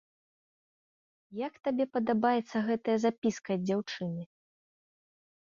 А як табе падабаецца гэтая запіска ад дзяўчыны?